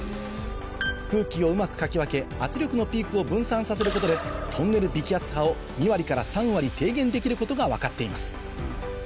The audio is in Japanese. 空気をうまくかき分け圧力のピークを分散させることでトンネル微気圧波を２割から３割低減できることが分かっています